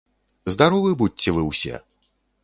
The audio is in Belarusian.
Здаровы будзьце вы ўсе!